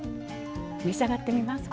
召し上がってみますか？